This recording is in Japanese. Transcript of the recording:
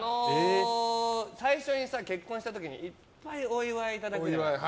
最初に結婚した時にいっぱいお祝いいただくじゃない。